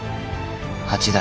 八代